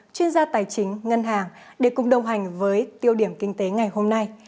chuyên gia tài chính ngân hàng để cùng đồng hành với tiêu điểm kinh tế ngày hôm nay